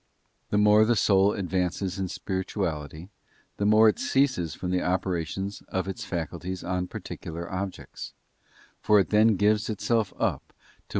The more the soul advances in _ spirituality, the more it ceases from the operations of its _ faculties on particular objects; for it then gives itself up to * Acts xvii.